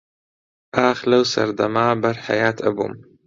ئاخ لەو سەردەما بەر حەیات ئەبووم